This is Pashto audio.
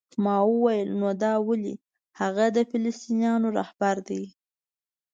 ما وویل: نو دا ولې؟ هغه د فلسطینیانو رهبر دی؟